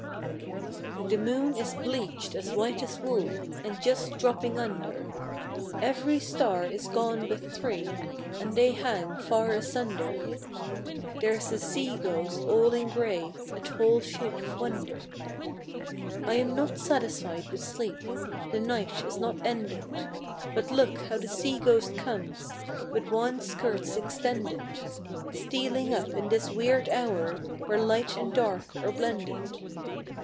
HTHE moon is bleached as white as wool, And just dropping under; Every star is gone but three, And they hang far asunder, — There's a sea ghost all in gray, A tall shape of wonder! I am not satisfied with sleep, — The night is not ended, But look how the sea ghost comes, With wan skirts extended, Stealing up in this weird hour, Where light and dark are blended.